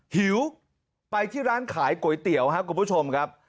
หิวไปที่ร้านขายก๋วยเตี๋ยวครับคุณผู้ชมครับ